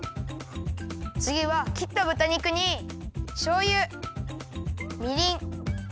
つぎはきったぶた肉にしょうゆみりん